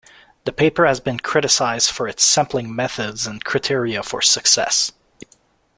The paper has been criticized for its sampling methods and criteria for success.